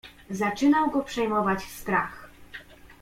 "Zaczynał go przejmować strach."